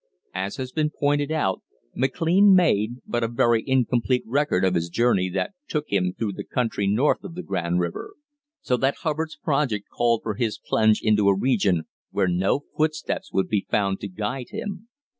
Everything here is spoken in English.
As has been pointed out, McLean made but a very incomplete record of his journey that took him through the country north of the Grand River, so that Hubbard's project called for his plunge into a region where no footsteps would be found to guide him.